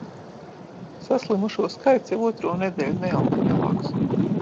Saslimušo skaits jau otro nedēļu neaug lielāks.